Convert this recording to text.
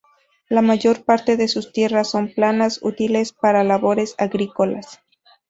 La mayor parte de sus tierras son planas, útiles para labores agrícolas.